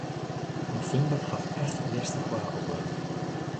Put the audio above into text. Novimber hat echt hjerstich waar oplevere.